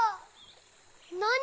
なに？